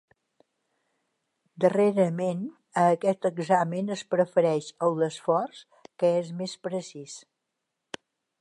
Darrerament, a aquest examen es prefereix el d'esforç, que és més precís.